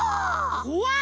こわい！